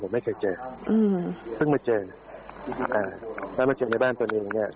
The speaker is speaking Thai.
ไม่เคยเจออืมเพิ่งมาเจออ่าแล้วมาเจอในบ้านตัวเองอย่างเงี้